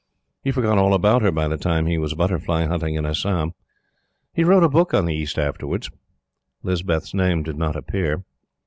He forgot all about her by the time he was butterfly hunting in Assam. He wrote a book on the East afterwards. Lispeth's name did not appear.